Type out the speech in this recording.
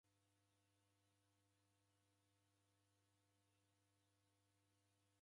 Ko kala w'anake w'arazighanwa ni w'eke w'aw'ae.